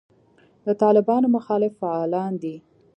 د طالبانو مخالف فعالان دي.